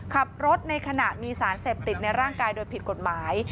ขับรถหนีออกมา